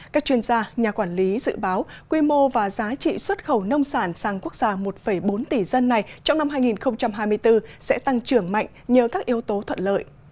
các chuyên gia nhà quản lý dự báo quy mô và giá trị xuất khẩu nông sản sang quốc gia một bốn tỷ dân này trong năm hai nghìn hai mươi bốn sẽ tăng trưởng mạnh nhờ các yếu tố thuận lợi